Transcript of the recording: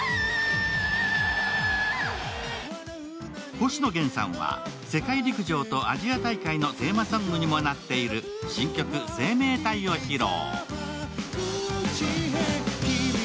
星野源さんは、世界陸上とアジア大会のテーマソングにもなっている新曲「生命体」を披露。